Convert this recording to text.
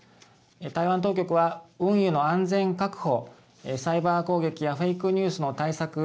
台湾当局は運輸の安全確保サイバー攻撃やフェイクニュースの対策